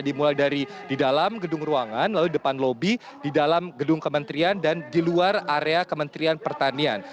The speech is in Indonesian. dimulai dari di dalam gedung ruangan lalu depan lobi di dalam gedung kementerian dan di luar area kementerian pertanian